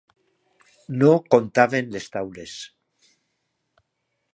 No comptaven les taules.